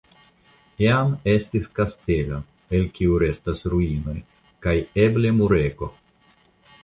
Iam estis kastelo (el kiu restas ruinoj) kaj eble murego.